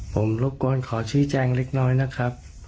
ผมรบกวนขอชี้แจงเล็กน้อยนะครับ